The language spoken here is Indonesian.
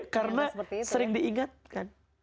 karena sering diingatkan